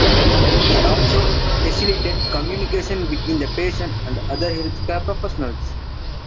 They also facilitate communication between the patient and other health care professionals.